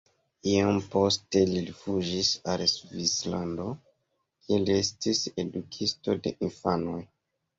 Iom poste li rifuĝis al Svislando, kie li estis edukisto de infanoj.